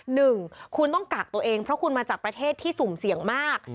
หนึ่งคุณต้องกักตัวเองเพราะคุณมาจากประเทศที่สุ่มเสี่ยงมาก